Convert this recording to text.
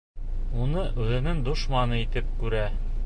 Уны үҙенең дошманы итеп күрә.